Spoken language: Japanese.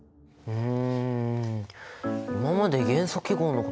うん。